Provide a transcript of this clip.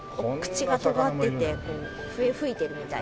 口が尖っててこう笛吹いてるみたいに。